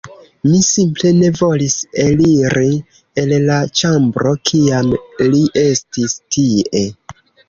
Mi simple ne volis eliri el la ĉambro, kiam li estis tie.